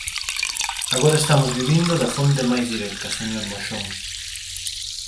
Agora estamos vivindo da fonte máis directa, señor Moxón.